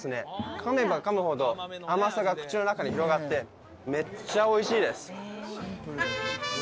噛めば噛むほど甘さが口の中に広がってめっちゃおいしいです